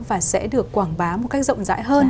và sẽ được quảng bá một cách rộng rãi hơn